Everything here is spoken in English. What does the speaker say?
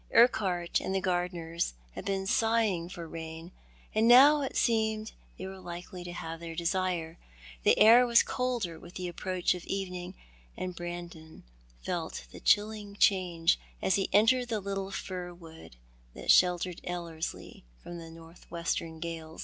Urquhart and the gardeners had been sighing for rain, and now it seemed they were likely to have their desire. The air was colder with the approach of evening, and Brandon felt the chilling change as he entered the little fir wood that sheltered Ellerslie from the north western gale?.